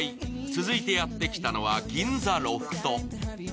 続いてやってきたのは銀座ロフト。